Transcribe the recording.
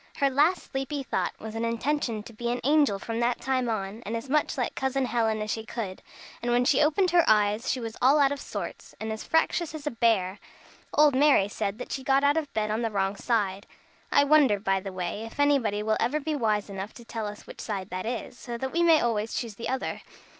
Her last sleepy thought was an intention to be an angel from that time on, and as much like Cousin Helen as she could; and when she opened her eyes she was all out of sorts, and as fractious as a bear! Old Mary said that she got out of bed on the wrong side. I wonder, by the way, if anybody will ever be wise enough to tell us which side that is, so that we may always choose the other?